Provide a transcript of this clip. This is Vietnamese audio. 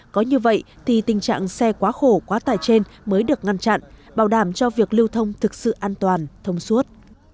có như vậy thì tình trạng xe quá khổ quá tải trên mới được ngăn chặn bảo đảm cho việc lưu thông thực sự an toàn thông suốt